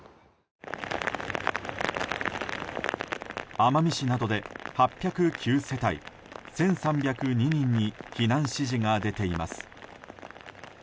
奄美市などで８０９世帯１３０２人に避難指示が出ています。